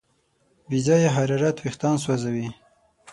بې ځایه حرارت وېښتيان سوځوي.